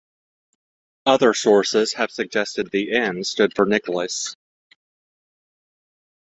Other sources have suggested the "N." stood for Nicolas.